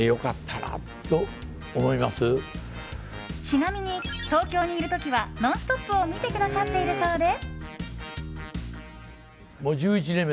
ちなみに東京にいる時は「ノンストップ！」を見てくださっているそうで。